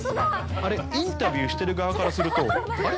あれ、インタビューしてる側からすると、あれ？